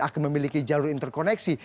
akan memiliki jalur interkoneksi